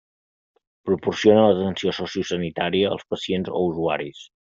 Proporciona l'atenció sociosanitària als pacients o usuaris.